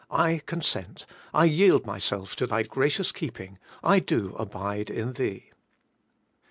I consent; I yield myself to Thy gracious keeping; I do abide in Thee.'